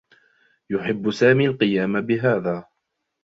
يحبّ سامي القيام بهذا.